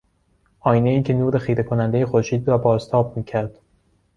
آینهای که نور خیره کنندهی خورشید را بازتاب میکرد